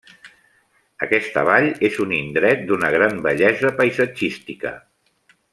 Aquesta vall és un indret d'una gran bellesa paisatgística.